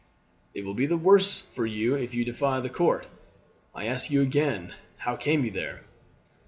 "It will be the worse for you if you defy the court. I ask you again how came you there?"